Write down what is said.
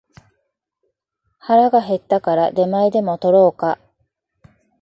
腹が減ったから出前でも取ろうか